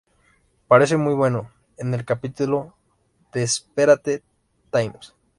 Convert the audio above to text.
Parece muy bueno..." en el capítulo "Desperate Times".